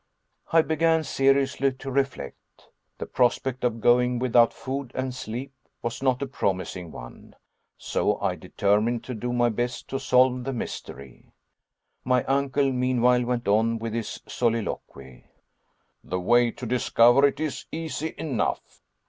I began seriously to reflect. The prospect of going without food and sleep was not a promising one, so I determined to do my best to solve the mystery. My uncle, meanwhile, went on with his soliloquy. "The way to discover it is easy enough.